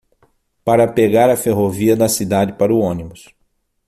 Para pegar a ferrovia da cidade para o ônibus